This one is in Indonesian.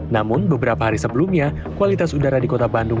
namun beberapa hari sebelumnya kualitas udara di kota bandung